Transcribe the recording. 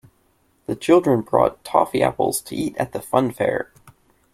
The children bought toffee apples to eat at the funfair